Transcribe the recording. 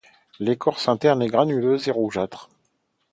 L’écorce interne est granuleuse et rougeâtre.